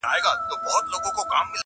څنګه به یو ځای شول دواړه څنګه به جدا شول